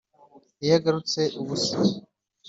iyo agurutse ubusa